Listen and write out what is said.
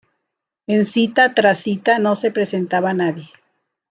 En cita tras cita no se presentaba nadie.